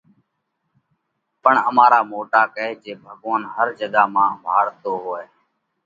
پڻ امارا موٽا ڪئه جي ڀڳوونَ هر جڳا مانه ڀاۯتو هووئه